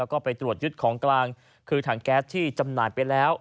แล้วก็ไปตรวจยึดของกลางคือถังแก๊สที่จำหน่ายไปแล้ว